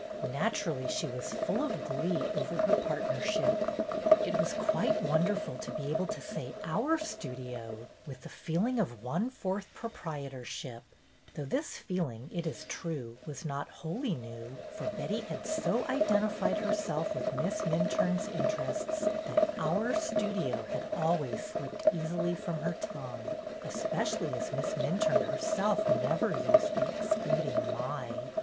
Naturally she was full of glee over her part nership. It was quite wonderful to be able to say "our Studio" with the feeling of one fourth proprietorship; though this feeling, it is true, was not wholly new, for Betty had so identified herself with Miss Minturne's inter ests that "our Studio" had always slipped 192 BETTY BAIRD'S GOLDEN YEAR easily from her tongue, especially as Miss Min turne herself never used the excluding "my.